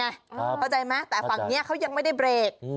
เข้าใจไหมแต่ฝั่งนี้เขายังไม่ได้เบรก